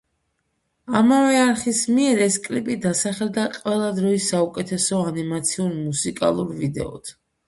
ამავე არხის მიერ ეს კლიპი დასახელდა ყველა დროის საუკეთესო ანიმაციურ მუსიკალურ ვიდეოდ.